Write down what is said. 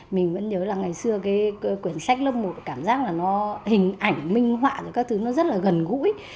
mình vẫn nhớ là ngày xưa cái quyển sách lớp một cảm giác là nó hình ảnh minh họa rồi các thứ nó rất là gần gũi